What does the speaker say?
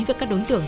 với các đối tượng